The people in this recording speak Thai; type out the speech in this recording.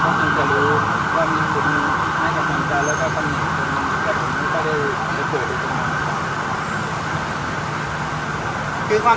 ก็คงจะรู้ว่ามีคุณให้กับผมจะเลือกกับคุณแล้วผมก็จะได้เปิดอีกตรงนั้น